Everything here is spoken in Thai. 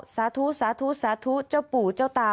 สาธุสาธุสาธุเจ้าปู่เจ้าตา